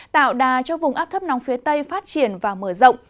tạo đà cho vùng áp thấp nóng phía tây phát triển và mở rộng